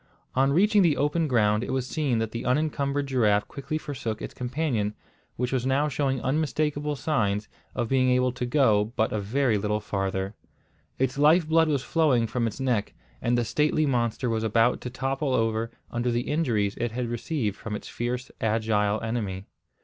On reaching the open ground it was seen that the unencumbered giraffe quickly forsook its companion, which was now showing unmistakable signs of being able to go but a very little farther. Its life blood was flowing from its neck, and the stately monster was about to topple over under the injuries it had received from its fierce, agile enemy.